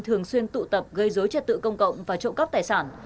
thường xuyên tụ tập gây dối trật tự công cộng và trộm cắp tài sản